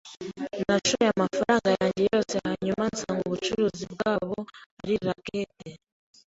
Nashoye amafaranga yanjye yose hanyuma nsanga ubucuruzi bwabo ari racket.